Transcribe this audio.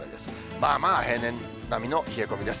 まあまあ平年並みの冷え込みです。